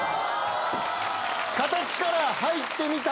「形から入ってみた」